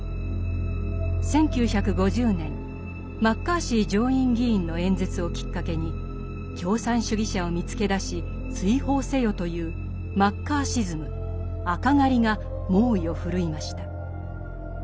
１９５０年マッカーシー上院議員の演説をきっかけに共産主義者を見つけ出し追放せよというマッカーシズム赤狩りが猛威を振るいました。